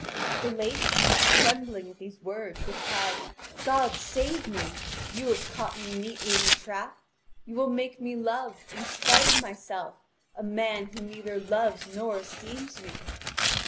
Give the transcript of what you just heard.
(Vv. 6759 6776.) The lady, trembling at these words, replied: "God save me! You have caught me neatly in a trap! You will make me love, in spite of myself, a man who neither loves nor esteems me.